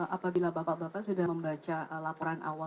apabila bapak bapak sudah membaca laporan awal